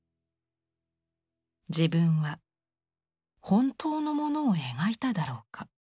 自分は本当のものを描いただろうか。